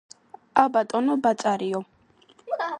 ა, ბატონო ბაწარიო